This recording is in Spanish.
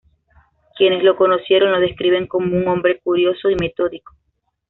Quienes lo conocieron lo describen como un hombre curioso y metódico.